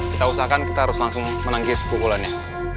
kita usahakan kita harus langsung menangkis pukulannya